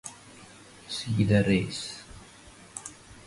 See the race.